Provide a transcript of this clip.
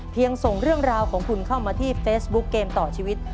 ส่งเรื่องราวของคุณเข้ามาที่เฟซบุ๊คเกมต่อชีวิต